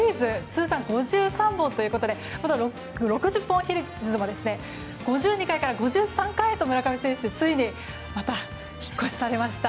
通算５３本ということで六十本木ヒルズの５２階から５３階へと村上選手はついに引っ越しされました。